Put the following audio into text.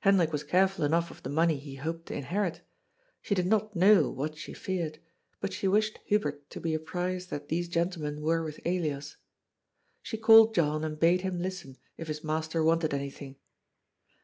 Hendrik was careful enough of the money he hoped to inherit. She did not know what she feared, but she wished Hubert to be apprised that these gentlemen were with Elias. She called John and bade him listen, if his master wanted anything.